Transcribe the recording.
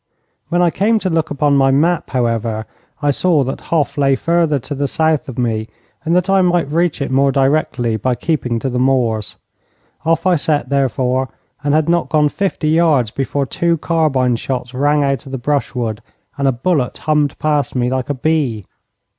When I came to look upon my map, however, I saw that Hof lay further to the south of me, and that I might reach it more directly by keeping to the moors. Off I set, therefore, and had not gone fifty yards before two carbine shots rang out of the brushwood and a bullet hummed past me like a bee.